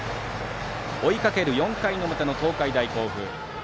追いかける４回の表の東海大甲府。